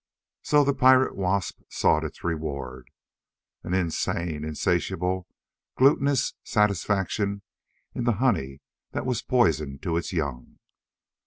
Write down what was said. So the pirate wasp sought its reward an insane, insatiable, gluttonous satisfaction in the honey that was poison to its young.